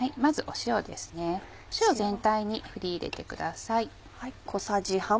塩を全体に振り入れてください。